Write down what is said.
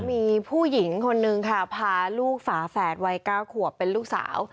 มีผู้หญิงคนนึงค่ะพาลูกฝาแฝดวัย๙ขวบเป็นลูกสาว